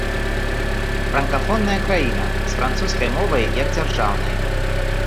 Франкафонная краіна з французскай мовай як дзяржаўнай.